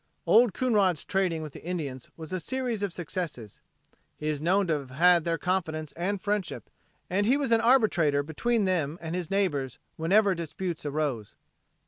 Old Coonrod's trading with the Indians was a series of successes. He is known to have had their confidence and friendship, and he was arbitrator between them and his neighbors whenever disputes arose.